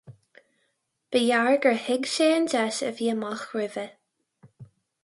Ba ghearr gur thuig sé an deis a bhí amach roimhe.